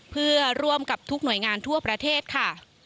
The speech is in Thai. เพื่อร่วมกับทุกหน่วยงานทั่วประเทศค่ะ